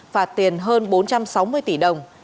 phạt tiền hơn bốn trăm sáu mươi tỷ đồng